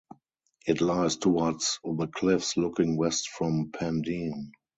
It lies towards the cliffs looking west from Pendeen.